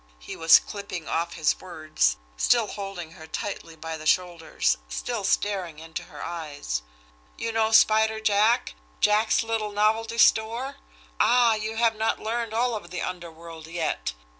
he was clipping off his words, still holding her tightly by the shoulders, still staring into her eyes. "You know Spider Jack! Jack's little novelty store! Ah, you have not learned all of the underworld yet!